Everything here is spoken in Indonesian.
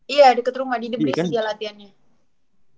iya deket rumah di the breeze dia latihannya